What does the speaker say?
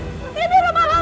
siti mereka mau ke sini